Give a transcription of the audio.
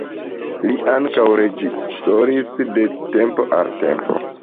Li ankaŭ reĝisoris de tempo al tempo.